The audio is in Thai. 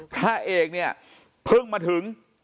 พระเอกเนี่ยเพิ่งมาถึง